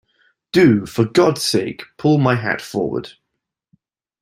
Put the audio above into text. Do, for God's sake, pull my hat forward.